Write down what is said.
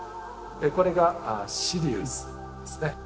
これがシリウスですね。